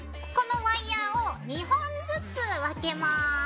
このワイヤーを２本ずつ分けます。